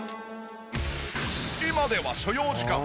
今では所要時間